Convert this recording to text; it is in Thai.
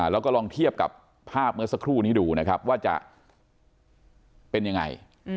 แล้วก็ลองเทียบกับภาพเมื่อสักครู่นี้ดูนะครับว่าจะเป็นยังไง